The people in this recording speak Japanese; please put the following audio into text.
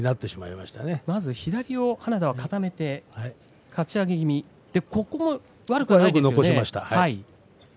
まず左を花田は固めてかち上げ気味、悪くないですね。